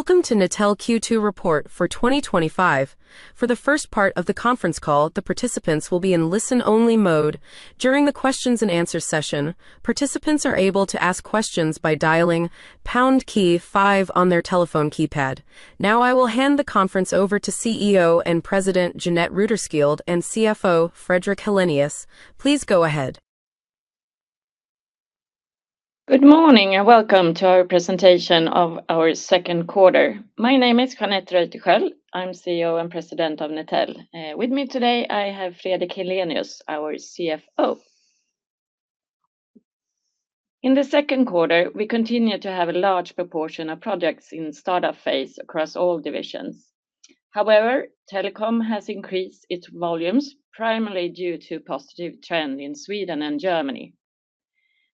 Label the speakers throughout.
Speaker 1: Welcome to Netel Q2 Report for 2025. For the first part of the conference call, the participants will be in listen-only mode. During the questions and answers session, participants are able to ask questions by dialing pound key five on their telephone keypad. Now, I will hand the conference over to CEO and President Jeanette Reuterskiöld and CFO Fredrik Helenius. Please go ahead.
Speaker 2: Good morning and welcome to our presentation of our second quarter. My name is Jeanette Reuterskiöld. I'm CEO and President of Netel. With me today, I have Fredrik Helenius, our CFO. In the second quarter, we continue to have a large proportion of projects in the startup phase across all divisions. However, telecom has increased its volumes primarily due to a positive trend in Sweden and Germany.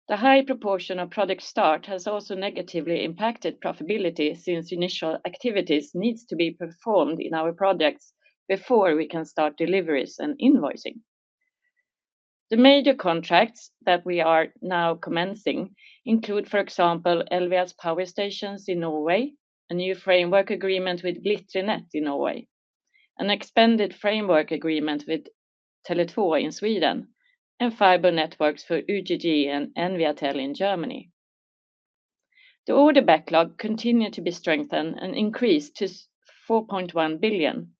Speaker 2: The high proportion of project start has also negatively impacted profitability since initial activities need to be performed in our projects before we can start deliveries and invoicing. The major contracts that we are now commencing include, for example, LVS Power Stations in Norway, a new Framework Agreement with Glitre Energi Nett in Norway, an expanded Framework Agreement with Tele2 in Sweden, and fiber networks for UGG and envia TEL in Germany. The Order Backlog continues to be strengthened and increased to 4.1 billion,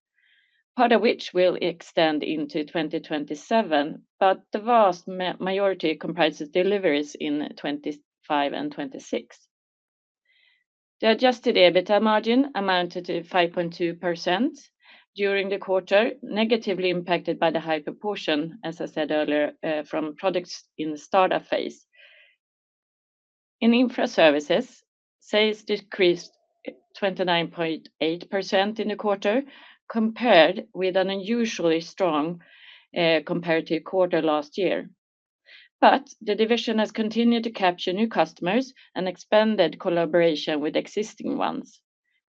Speaker 2: part of which will extend into 2027, but the vast majority comprises deliveries in 2025 and 2026. The Adjusted EBITDA margin amounted to 5.2% during the quarter, negatively impacted by the high proportion, as I said earlier, from projects in the startup phase. In infra services, sales decreased 29.8% in the quarter, compared with an unusually strong comparative quarter last year. The division has continued to capture new customers and expanded collaboration with existing ones.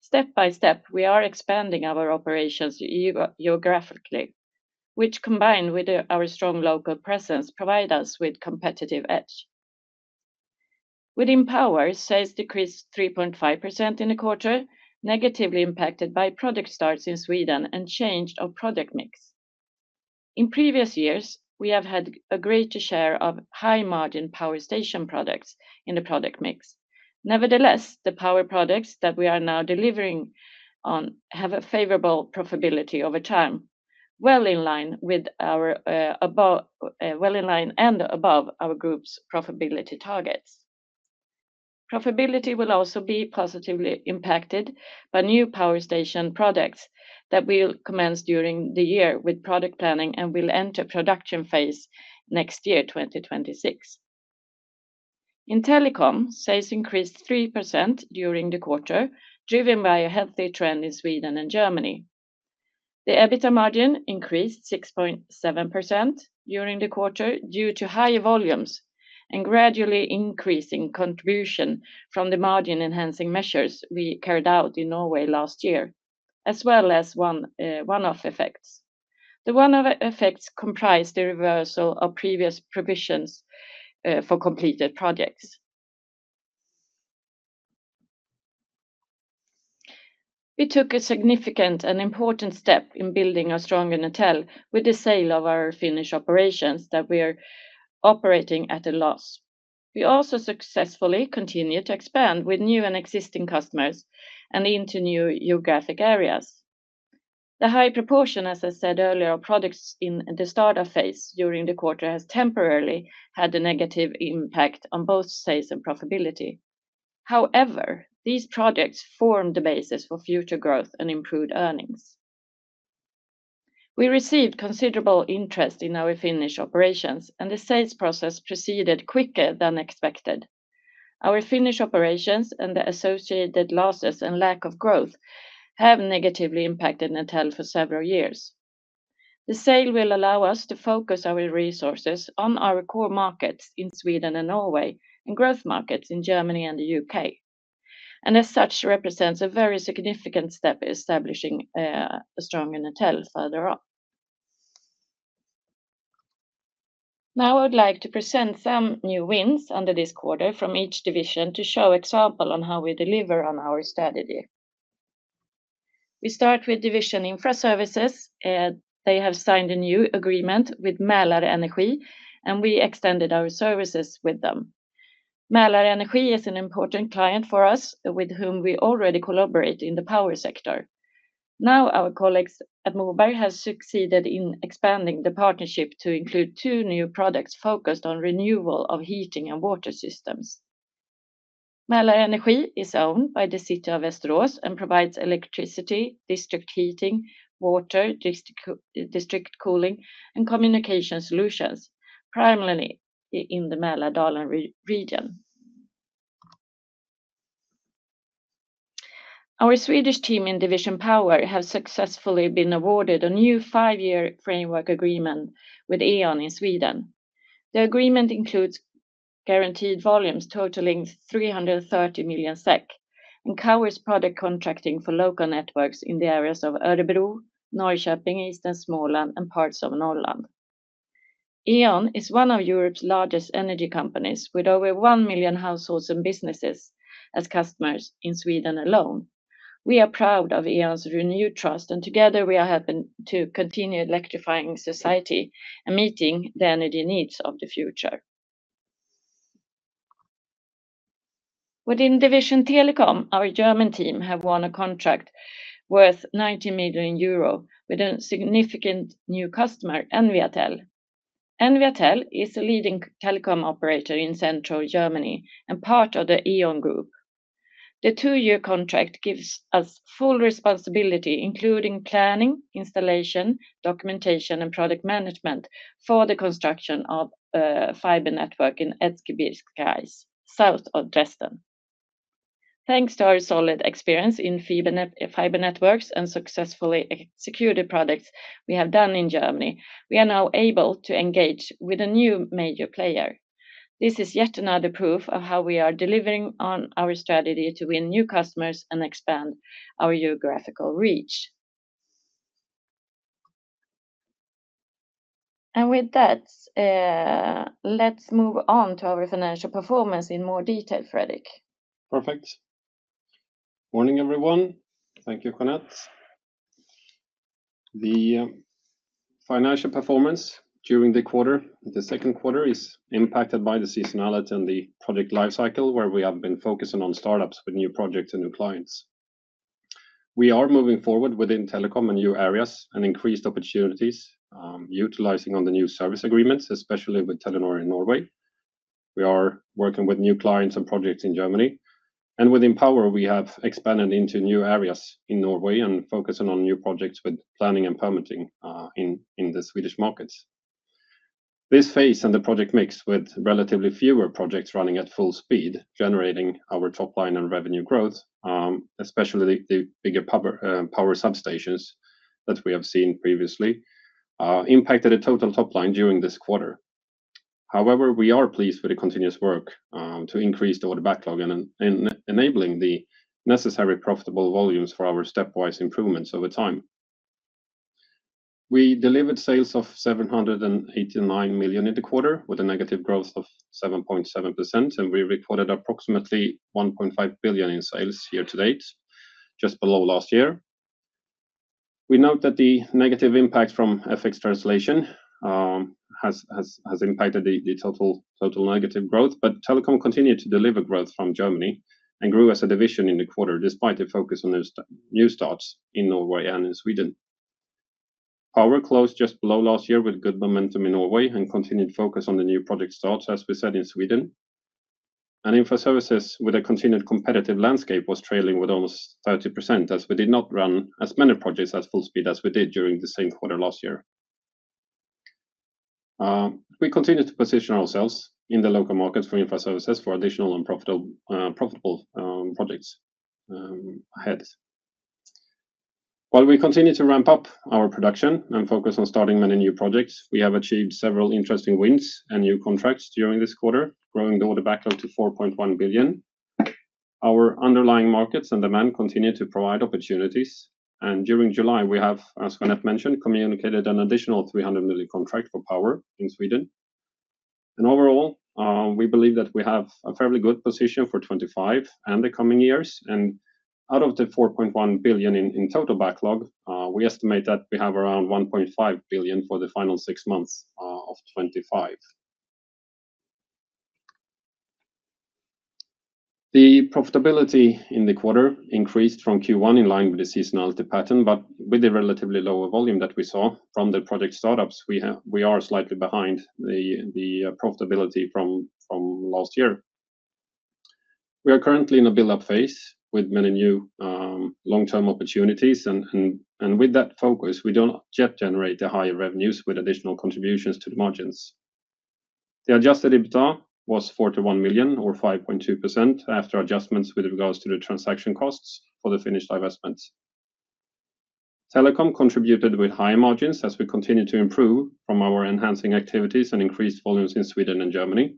Speaker 2: Step by step, we are expanding our operations geographically, which, combined with our strong local presence, provides us with a competitive edge. Within power, sales decreased 3.5% in the quarter, negatively impacted by project starts in Sweden and change of project mix. In previous years, we have had a greater share of high-margin power station projects in the project mix. Nevertheless, the power projects that we are now delivering on have a favorable profitability over time, well in line and above our group's profitability targets. Profitability will also be positively impacted by new power station projects that we will commence during the year with project planning and will enter production phase next year, 2026. In telecom, sales increased 3% during the quarter, driven by a healthy trend in Sweden and Germany. The EBITDA margin increased to 6.7% during the quarter due to higher volumes and gradually increasing contribution from the margin-enhancing measures we carried out in Norway last year, as well as one-off effects. The one-off effects comprise the reversal of previous provisions for completed projects. We took a significant and important step in building a stronger Netel with the sale of our Finnish operations that we are operating at a loss. We also successfully continue to expand with new and existing customers and into new geographic areas. The high proportion, as I said earlier, of products in the startup phase during the quarter has temporarily had a negative impact on both sales and profitability. However, these projects form the basis for future growth and improved earnings. We received considerable interest in our Finnish operations, and the sales process proceeded quicker than expected. Our Finnish operations and the associated losses and lack of growth have negatively impacted Netel for several years. The sale will allow us to focus our resources on our core markets in Sweden and Norway and growth markets in Germany and the UK. It represents a very significant step in establishing a stronger Netel further on. Now I would like to present some new wins under this quarter from each division to show an example of how we deliver on our strategy. We start with Division Infra Services. They have signed a new agreement with Mälarenergi, and we extended our services with them. Mälarenergi is an important client for us, with whom we already collaborate in the power sector. Now, our colleagues at Moberg have succeeded in expanding the partnership to include two new products focused on renewable heating and water systems. Mälarenergi is owned by the City of Västerås and provides electricity, district heating, water, district cooling, and communication solutions, primarily in the Malardalen region. Our Swedish team in Division Power has successfully been awarded a new five-year Framework Agreement with E.ON in Sweden. The agreement includes guaranteed volumes totaling 330 million SEK and covers product contracting for local networks in the areas of Örebro, Norrköping, Eastern Småland, and parts of Norrland. E.ON is one of Europe's largest energy companies, with over one million households and businesses as customers in Sweden alone. We are proud of E.ON's renewed trust, and together we are happy to continue electrifying society and meeting the energy needs of the future. Within Division Telecom, our German team has won a contract worth 90 million euro with a significant new customer, envia TEL. envia TEL is the leading telecom operator in central Germany and part of the E.ON Group. The two-year contract gives us full responsibility, including planning, installation, documentation, and product management for the construction of a fiber network in Erzgebirge, south of Dresden. Thanks to our solid experience in fiber networks and successfully executed projects we have done in Germany, we are now able to engage with a new major player. This is yet another proof of how we are delivering on our strategy to win new customers and expand our geographical reach. With that, let's move on to our financial performance in more detail, Fredrik.
Speaker 3: Perfect. Morning, everyone. Thank you, Jeanette. The financial performance during the quarter, the second quarter, is impacted by the seasonality and the project lifecycle where we have been focusing on startups with new projects and new clients. We are moving forward within telecom and new areas and increased opportunities utilizing the new service agreements, especially with Telenor in Norway. We are working with new clients and projects in Germany. Within power, we have expanded into new areas in Norway and focusing on new projects with planning and permitting in the Swedish markets. This phase and the project mix, with relatively fewer projects running at full speed, generating our top line and revenue growth, especially the bigger power substations that we have seen previously, impacted the total top line during this quarter. However, we are pleased with the continuous work to increase the Order Backlog and enabling the necessary profitable volumes for our stepwise improvements over time. We delivered sales of 789 million in the quarter with a negative growth of 7.7%, and we recorded approximately 1.5 billion in sales year to date, just below last year. We note that the negative impacts from FX effects have impacted the total negative growth, but telecom continued to deliver growth from Germany and grew as a division in the quarter despite the focus on new starts in Norway and in Sweden. Power closed just below last year with good momentum in Norway and continued focus on the new project starts, as we said in Sweden. Infra Services, with a continued competitive landscape, was trailing with almost 30% as we did not run as many projects at full speed as we did during the same quarter last year. We continue to position ourselves in the local markets for Infra Services for additional profitable projects ahead. While we continue to ramp up our production and focus on starting many new projects, we have achieved several interesting wins and new contracts during this quarter, growing the Order Backlog to 4.1 billion. Our underlying markets and demand continue to provide opportunities. During July, we have, as Jeanette mentioned, communicated an additional 300 million contract for power in Sweden. Overall, we believe that we have a fairly good position for 2025 and the coming years. Out of the 4.1 billion in total backlog, we estimate that we have around 1.5 billion for the final six months of 2025. The profitability in the quarter increased from Q1 in line with the seasonality pattern, but with the relatively lower volume that we saw from the project startups, we are slightly behind the profitability from last year. We are currently in a build-up phase with many new long-term opportunities. With that focus, we don't yet generate the higher revenues with additional contributions to the margins. The Adjusted EBITDA was 41 million, or 5.2% after adjustments with regards to the transaction costs for the finished divestments. Telecom contributed with high margins as we continue to improve from our enhancing activities and increased volumes in Sweden and Germany.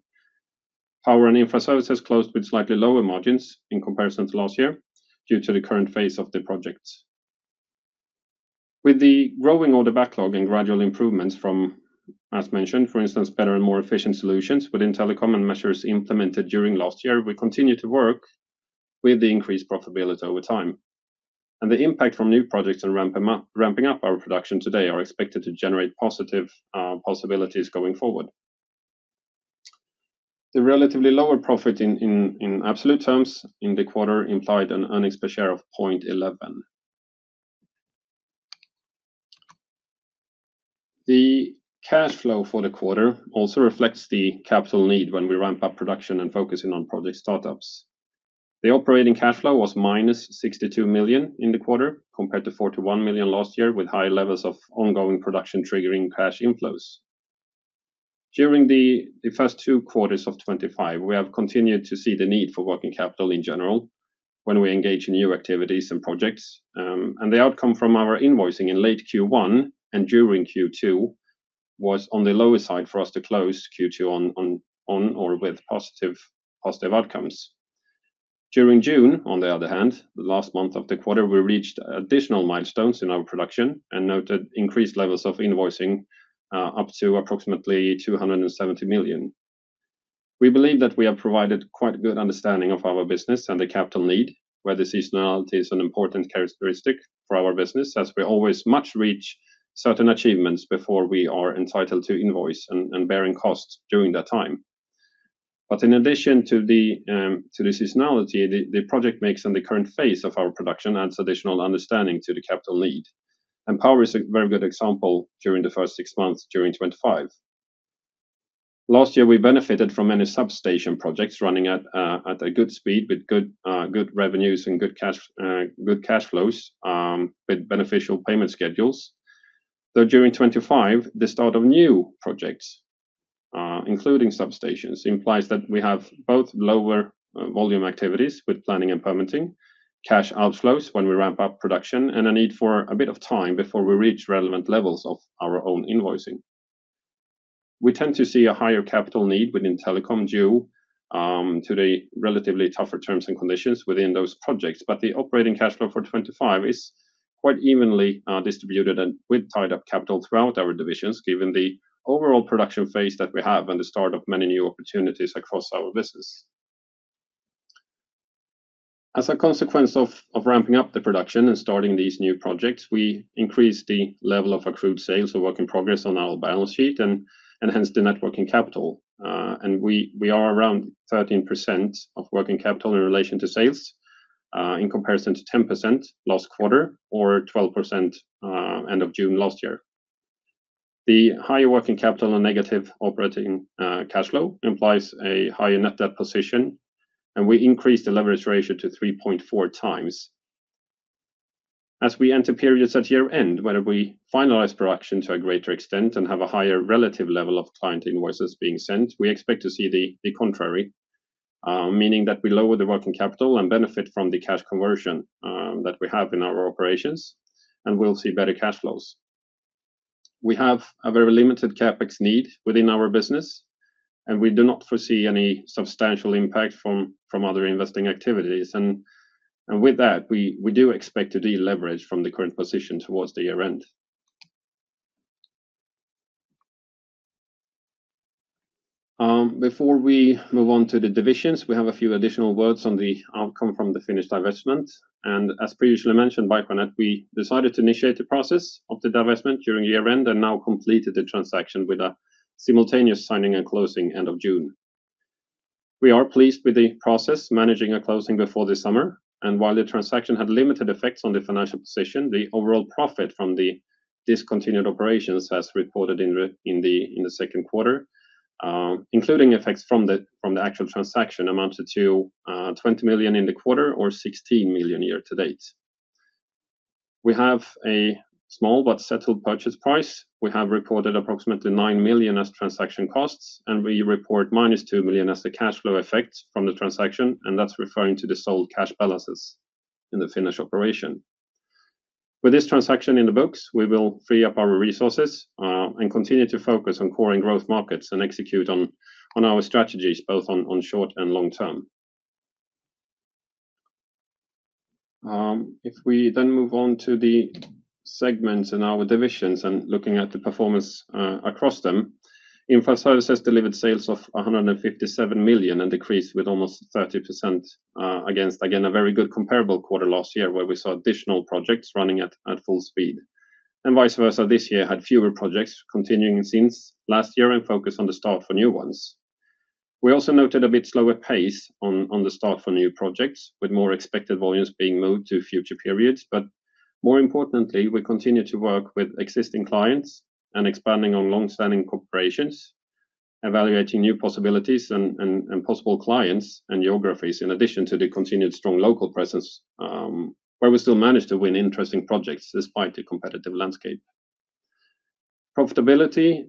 Speaker 3: Power and Infra Services closed with slightly lower margins in comparison to last year due to the current phase of the projects. With the growing Order Backlog and gradual improvements from, as mentioned, for instance, better and more efficient solutions within Telecom and measures implemented during last year, we continue to work with the increased profitability over time. The impact from new projects and ramping up our production today are expected to generate positive possibilities going forward. The relatively lower profit in absolute terms in the quarter implied an earnings per share of 0.11. The cash flow for the quarter also reflects the capital need when we ramp up production and focusing on project startups. The operating cash flow was -62 million in the quarter compared to 41 million last year, with high levels of ongoing production triggering cash inflows. During the first two quarters of 2025, we have continued to see the need for working capital in general when we engage in new activities and projects. The outcome from our invoicing in late Q1 and during Q2 was on the lower side for us to close Q2 on or with positive outcomes. During June, the last month of the quarter, we reached additional milestones in our production and noted increased levels of invoicing up to approximately 270 million. We believe that we have provided quite a good understanding of our business and the capital need, where the seasonality is an important characteristic for our business, as we always must reach certain achievements before we are entitled to invoice and bearing costs during that time. In addition to the seasonality, the project mix and the current phase of our production adds additional understanding to the capital need. Power is a very good example during the first six months during 2025. Last year, we benefited from many substation projects running at a good speed with good revenues and good cash flows with beneficial payment schedules. During 2025, the start of new projects, including substations, implies that we have both lower volume activities with planning and permitting, cash outflows when we ramp up production, and a need for a bit of time before we reach relevant levels of our own invoicing. We tend to see a higher capital need within telecom due to the relatively tougher terms and conditions within those projects. The operating cash flow for 2025 is quite evenly distributed and with tied-up capital throughout our divisions, given the overall production phase that we have and the start of many new opportunities across our business. As a consequence of ramping up the production and starting these new projects, we increased the level of accrued sales or work in progress on our balance sheet and enhanced the net working capital. We are around 13% of working capital in relation to sales in comparison to 10% last quarter or 12% end of June last year. The higher working capital and negative operating cash flow implies a higher net debt position, and we increased the leverage ratio to 3.4 times. As we enter periods at year end, whether we finalize production to a greater extent and have a higher relative level of client invoices being sent, we expect to see the contrary, meaning that we lower the working capital and benefit from the cash conversion that we have in our operations, and we'll see better cash flows. We have a very limited CapEx need within our business, and we do not foresee any substantial impact from other investing activities. With that, we do expect to deleverage from the current position towards the year end. Before we move on to the divisions, we have a few additional words on the outcome from the finished divestment. As previously mentioned by Jeanette, we decided to initiate the process of the divestment during year end and now completed the transaction with a simultaneous signing and closing end of June. We are pleased with the process managing a closing before the summer. While the transaction had limited effects on the financial position, the overall profit from the discontinued operations, as reported in the second quarter, including effects from the actual transaction, amounts to 20 million in the quarter or 16 million year to date. We have a small but settled purchase price. We have reported approximately 9 million as transaction costs, and we report -2 million as the cash flow effect from the transaction, and that's referring to the sold cash balances in the finished operation. With this transaction in the books, we will free up our resources and continue to focus on core and growth markets and execute on our strategies both on short and long term. If we then move on to the segments in our divisions and look at the performance across them, Infra Services delivered sales of 157 million and decreased with almost 30% against, again, a very good comparable quarter last year where we saw additional projects running at full speed. This year had fewer projects continuing since last year and focused on the start for new ones. We also noted a bit slower pace on the start for new projects with more expected volumes being moved to future periods. More importantly, we continue to work with existing clients and expand on longstanding corporations, evaluating new possibilities and possible clients and geographies in addition to the continued strong local presence where we still manage to win interesting projects despite the competitive landscape. Profitability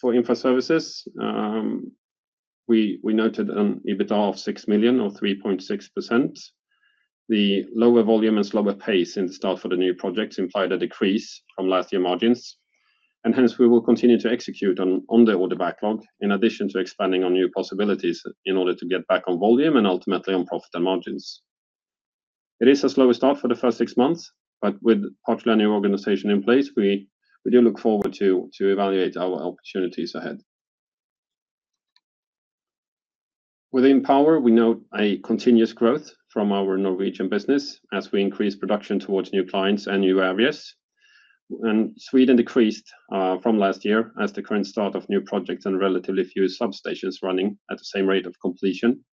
Speaker 3: for Infra Services, we noted an EBITDA of 6 million or 3.6%. The lower volume and slower pace in the start for the new projects implied a decrease from last year margins. We will continue to execute on the Order Backlog in addition to expanding on new possibilities in order to get back on volume and ultimately on profit and margins. It is a slow start for the first six months, but with a partly new organization in place, we do look forward to evaluating our opportunities ahead. Within Power, we note a continuous growth from our Norwegian business as we increase production towards new clients and new areas. Sweden decreased from last year as the current start of new projects and relatively few substations running at the same rate of completion.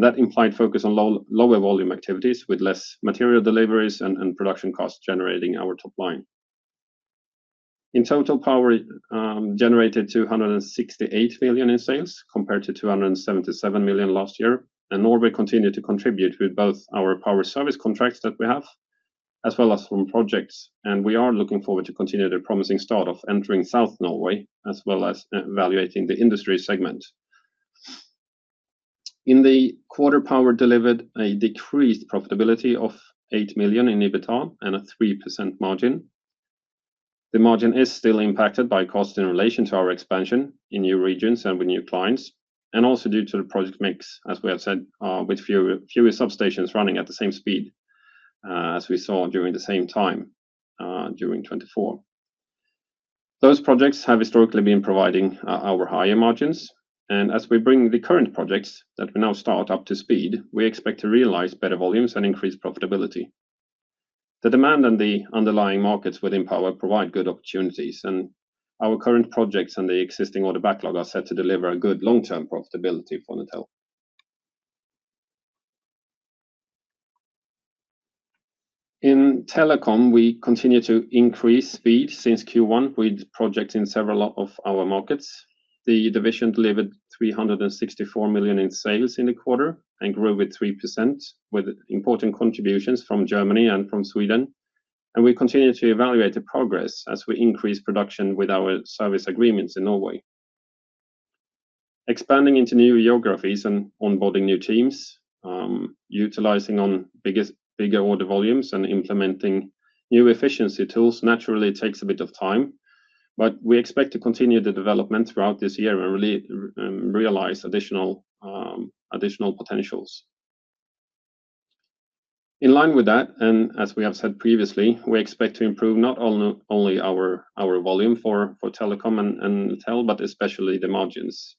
Speaker 3: That implied focus on lower volume activities with less material deliveries and production costs generating our top line. In total, Power generated 268 million in sales compared to 277 million last year. Norway continued to contribute with both our Power service contracts that we have, as well as some projects. We are looking forward to continue the promising start of entering South Norway as well as evaluating the industry segment. In the quarter, Power delivered a decreased profitability of 8 million in EBITDA and a 3% margin. The margin is still impacted by cost in relation to our expansion in new regions and with new clients, and also due to the project mix, as we have said, with fewer substations running at the same speed as we saw during the same time during 2024. Those projects have historically been providing our higher margins. As we bring the current projects that we now start up to speed, we expect to realize better volumes and increase profitability. The demand and the underlying markets within Power provide good opportunities. Our current projects and the existing Order Backlog are set to deliver a good long-term profitability for Netel. In Telecom, we continue to increase speed since Q1 with projects in several of our markets. The division delivered 364 million in sales in the quarter and grew with 3% with important contributions from Germany and from Sweden. We continue to evaluate the progress as we increase production with our service agreements in Norway. Expanding into new geographies and onboarding new teams, utilizing bigger order volumes and implementing new efficiency tools naturally takes a bit of time. We expect to continue the development throughout this year and realize additional potentials. In line with that, and as we have said previously, we expect to improve not only our volume for Telecom and Netel, but especially the margins.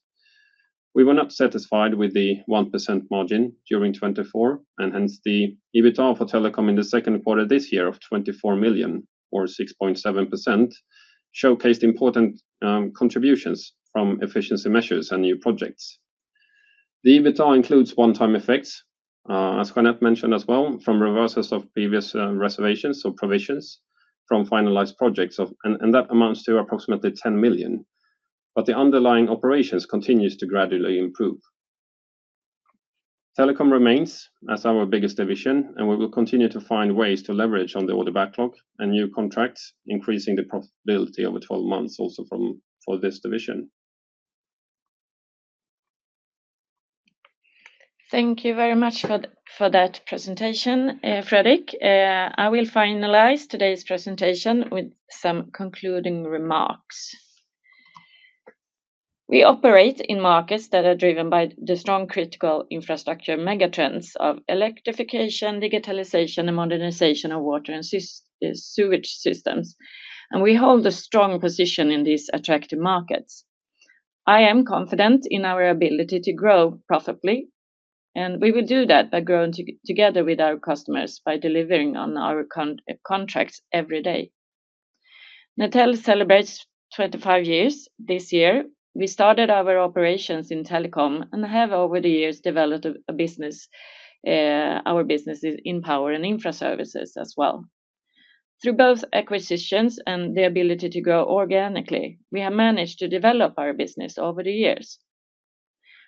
Speaker 3: We were not satisfied with the 1% margin during 2024, and hence the EBITDA for Telecom in the second quarter this year of 24 million or 6.7% showcased important contributions from efficiency measures and new projects. The EBITDA includes one-time effects, as Jeanette mentioned as well, from reversals of previous reservations or provisions from finalized projects, and that amounts to approximately 10 million. The underlying operations continue to gradually improve. Telecom remains as our biggest division, and we will continue to find ways to leverage on the Order Backlog and new contracts, increasing the profitability over 12 months also for this division.
Speaker 2: Thank you very much for that presentation, Fredrik. I will finalize today's presentation with some concluding remarks. We operate in markets that are driven by the strong critical infrastructure megatrends of electrification, digitalization, and modernization of water and sewage systems. We hold a strong position in these attractive markets. I am confident in our ability to grow profitably, and we will do that by growing together with our customers by delivering on our contracts every day. Netel celebrates 25 years this year. We started our operations in telecom and have over the years developed our businesses in power and infra services as well. Through both acquisitions and the ability to grow organically, we have managed to develop our business over the years.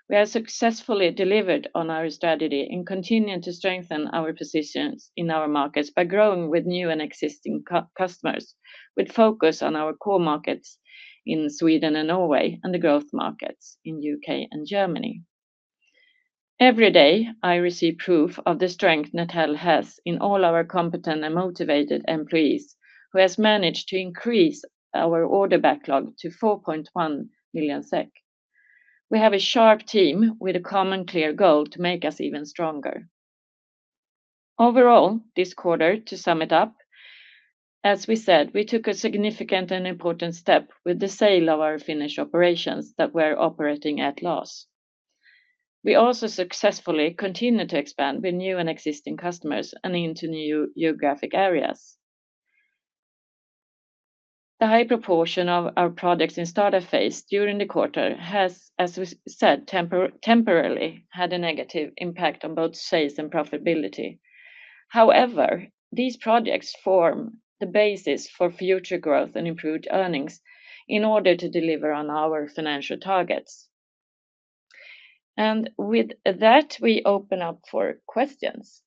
Speaker 2: We have successfully delivered on our strategy and continue to strengthen our positions in our markets by growing with new and existing customers, with focus on our core markets in Sweden and Norway and the growth markets in the UK and Germany. Every day, I receive proof of the strength Netel has in all our competent and motivated employees who have managed to increase our Order Backlog to 4.1 million SEK. We have a sharp team with a common clear goal to make us even stronger. Overall, this quarter, to sum it up, as we said, we took a significant and important step with the sale of our Finnish operations that were operating at a loss. We also successfully continue to expand with new and existing customers and into new geographic areas. The high proportion of our projects in startup phase during the quarter has, as we said, temporarily had a negative impact on both sales and profitability. However, these projects form the basis for future growth and improved earnings in order to deliver on our financial targets. With that, we open up for questions.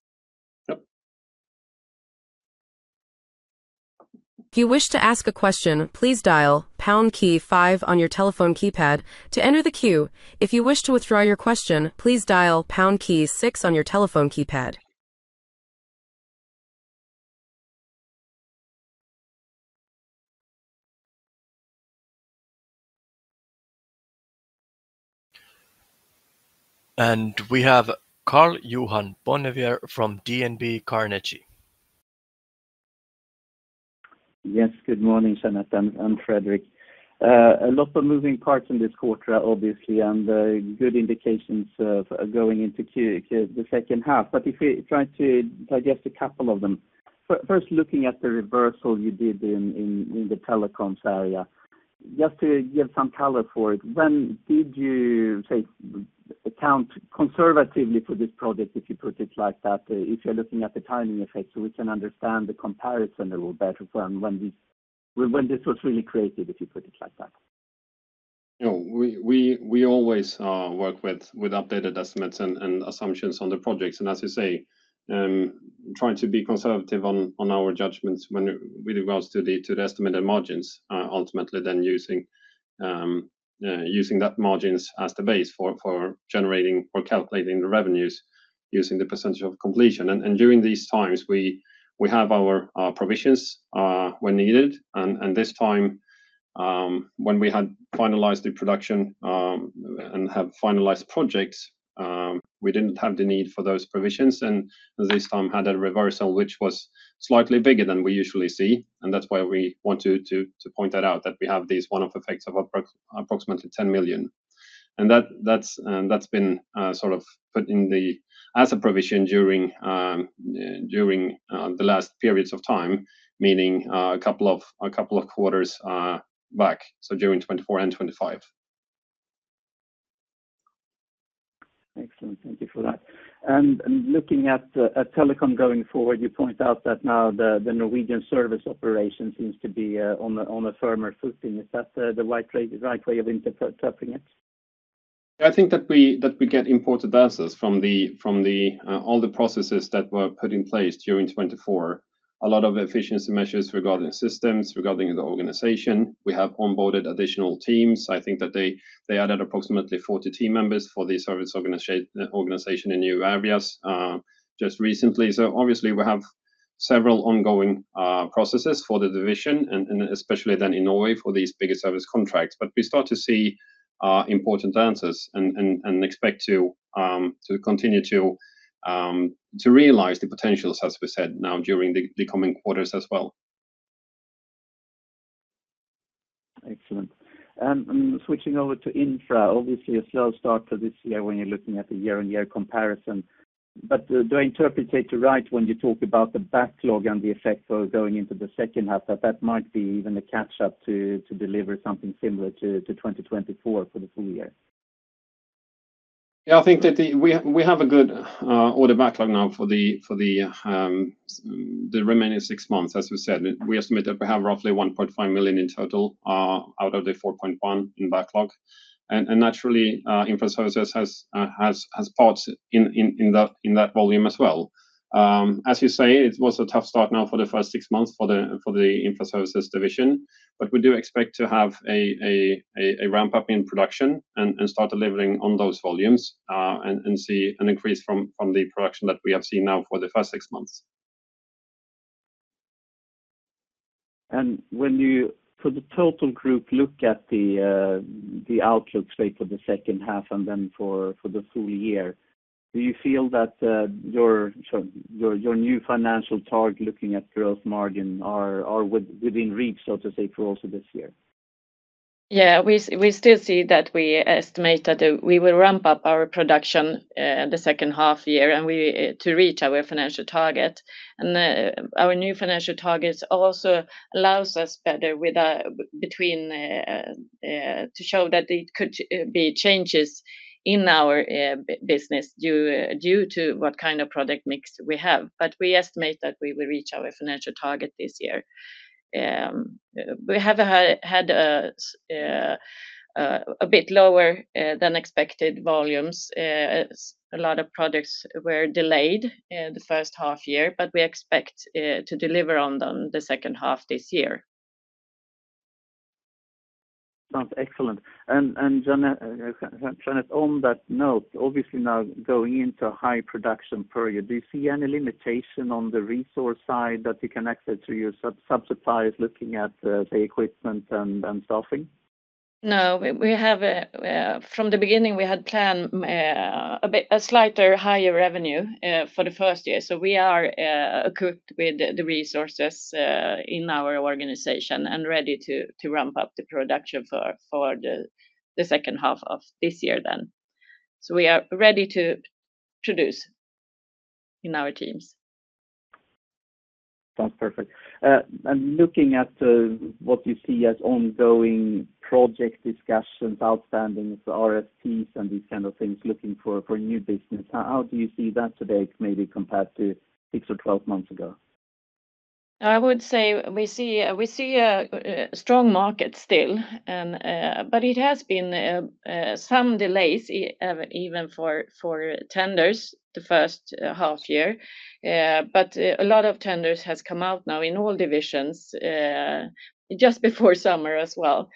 Speaker 1: If you wish to ask a question, please dial pound key five on your telephone keypad to enter the queue. If you wish to withdraw your question, please dial pound key six on your telephone keypad. We have Karl-Johan Bonnevier from DNB Carnegie.
Speaker 4: Yes, good morning, Jeanette and Fredrik. A lot of moving parts in this quarter, obviously, and good indications of going into the second half. If we try to digest a couple of them. First, looking at the reversal you did in the telecom division, just to give some color for it, when did you say account conservatively for this project, if you put it like that? If you're looking at the timing effects, so we can understand the comparison a little better when this was really creative, if you put it like that.
Speaker 3: We always work with updated estimates and assumptions on the projects. As you say, trying to be conservative on our judgments when we do our study to the estimated margins, ultimately then using that margin as the base for generating or calculating the revenues using the percentage of completion. During these times, we have our provisions when needed. This time, when we had finalized the production and had finalized projects, we didn't have the need for those provisions. This time had a reversal which was slightly bigger than we usually see. That's why we want to point that out, that we have these one-off effects of approximately 10 million. That's been sort of put in as a provision during the last periods of time, meaning a couple of quarters back, so during 2024 and 2025.
Speaker 4: Excellent. Thank you for that. Looking at telecom going forward, you point out that now the Norwegian service operation seems to be on a firmer footing. Is that the right way of interpreting it?
Speaker 3: I think that we get important versus from all the processes that were put in place during 2024. A lot of efficiency measures regarding systems, regarding the organization. We have onboarded additional teams. I think that they added approximately 40 team members for the service organization in new areas just recently. Obviously, we have several ongoing processes for the division, especially then in Norway for these bigger service contracts. We start to see important answers and expect to continue to realize the potentials, as we said, now during the coming quarters as well.
Speaker 4: Excellent. Switching over to infra, obviously a slow start to this year when you're looking at the year-on-year comparison. Do I interpret it right when you talk about the backlog and the effect going into the second half, that that might be even a catch-up to deliver something similar to 2024 for the full year?
Speaker 3: Yeah, I think that we have a good Order Backlog now for the remaining six months. As we said, we estimate that we have roughly 1.5 million in total out of the 4.1 million in backlog. Naturally, Infra Services has part in that volume as well. As we say, it was a tough start now for the first six months for the Infra Services division, but we do expect to have a ramp-up in production and start delivering on those volumes and see an increase from the production that we have seen now for the first six months.
Speaker 4: When you, for the total group, look at the outlook straight for the second half and then for the full year, do you feel that your new financial target, looking at growth margin, are within reach, so to say, for also this year?
Speaker 2: Yeah, we still see that we estimate that we will ramp up our production in the second half year to reach our financial target. Our new financial targets also allow us better to show that there could be changes in our business due to what kind of product mix we have. We estimate that we will reach our financial target this year. We have had a bit lower than expected volumes. A lot of products were delayed in the first half year, but we expect to deliver on them the second half this year.
Speaker 4: That's excellent. Jeanette, on that note, obviously now going into a high production period, do you see any limitation on the resource side that you connected to your subsidiaries, looking at the equipment and staffing?
Speaker 2: No, we have from the beginning, we had planned a bit slightly higher revenue for the first year. We are equipped with the resources in our organization and ready to ramp up the production for the second half of this year. We are ready to produce in our teams.
Speaker 4: That's perfect. Looking at what you see as ongoing project discussions, outstanding RFPs, and these kinds of things, looking for new business, how do you see that today, maybe compared to six or 12 months ago?
Speaker 2: I would say we see a strong market still. It has been some delays, even for tenders the first half year. A lot of tenders have come out now in all divisions just before summer as well.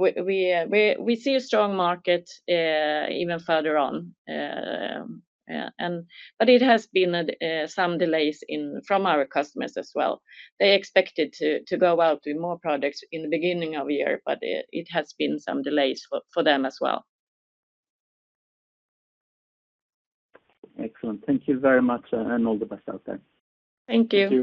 Speaker 2: We see a strong market even further on. It has been some delays from our customers as well. They expected to go out with more products in the beginning of the year, but it has been some delays for them as well.
Speaker 4: Excellent. Thank you very much and all the best out there.
Speaker 2: Thank you.